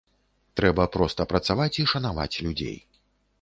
Трэба проста працаваць і шанаваць людзей.